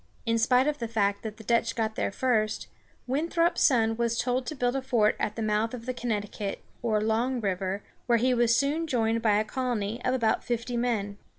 In spite of the fact that the Dutch got there first, Winthrop's son was told to build a fort at the mouth of the Connecticut, or Long River, where he was soon joined by a colony of about fifty men.